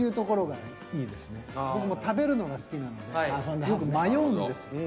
僕も食べるのが好きなのでよく迷うんですけど。